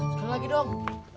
sekali lagi dong